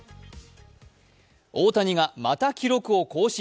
大谷がまた記録を更新。